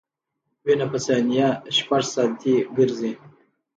وینه په ثانیه شپږ سانتي ګرځي.